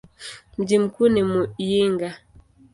Mji mkuu ni Muyinga.